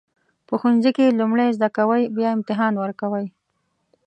په ښوونځي کې لومړی زده کوئ بیا امتحان ورکوئ.